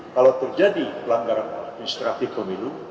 kalau terjadi pelanggaran administratif pemilu